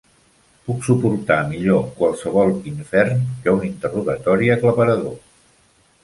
Puc suportar millor qualsevol infern que un interrogatori aclaparador.